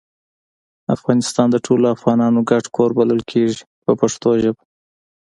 افغانستان د ټولو افغانانو ګډ کور بلل کیږي په پښتو ژبه.